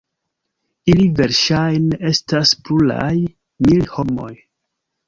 Ili verŝajne estas pluraj mil homoj.